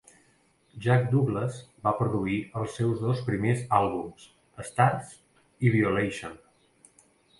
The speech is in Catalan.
Jack Douglas va produir els seus dos primers àlbums "Starz" i "Violation".